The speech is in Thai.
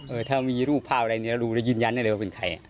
ถ้ามีรูปภาพอะไรเนี่ยรู้แล้วยืนยันได้เลยว่าเป็นใคร